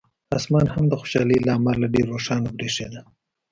اسمان هم د خوشالۍ له امله ډېر روښانه برېښېده.